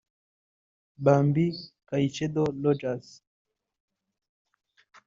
Bambi Caicedo Rogers